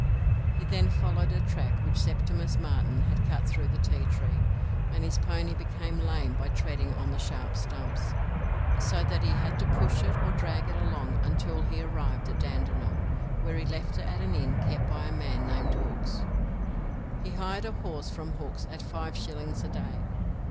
He then followed a track which Septimus Martin had cut through the tea tree, and his pony became lame by treading on the sharp stumps, so that he had to push it or drag it along until he arrived at Dandenong, where he left it at an inn kept by a man named Hooks. He hired a horse from Hooks at five shillings a day.